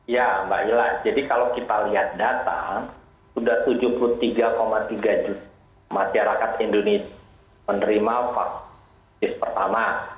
ya mbak ila jadi kalau kita lihat data sudah tujuh puluh tiga tiga juta masyarakat indonesia menerima vaksin pertama